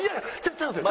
違うんですよ！